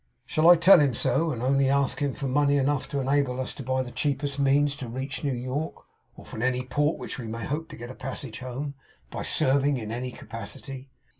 'Shall I tell him so, and only ask him for money enough to enable us by the cheapest means to reach New York, or any port from which we may hope to get a passage home, by serving in any capacity?